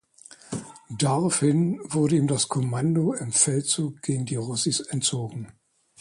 Daraufhin wurde ihm das Kommando im Feldzug gegen die Rossis entzogen.